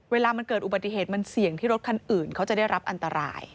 เวลามันเกิดอุบัติเหตุมันเสี่ยงที่รถคันอื่นเขาจะได้รับอันตราย